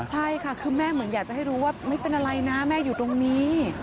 ใช่ค่ะคือแม่เหมือนอยากจะให้รู้ว่าไม่เป็นอะไรนะแม่อยู่ตรงนี้